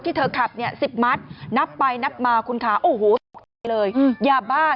เธอขับเนี่ย๑๐มัตต์นับไปนับมาคุณขาโอ้โหตกใจเลยยาบ้า